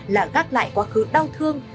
là gác lại quá khứ đau thương